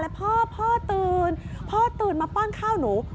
พ่อพ่อตื่นพ่อตื่นมาป้อนข้าวหนู